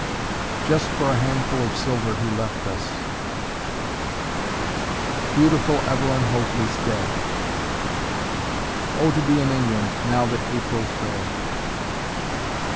"Just for a handful of silver he left us." "Beautiful Evelyn Hope is dead." "O to be in England, now that April's there."